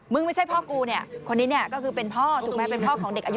มึงไม่ใช่พ่อกูคนนี้ถึงเป็นพ่อที่บอกว่าเป็นพ่อของเด็กอายุ๑๘